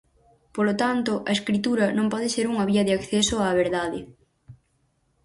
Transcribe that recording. Polo tanto, a escritura non pode ser unha vía de acceso á verdade.